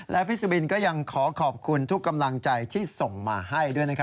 และพี่สุบินก็ยังขอขอบคุณทุกกำลังใจที่ส่งมาให้ด้วย